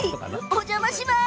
お邪魔します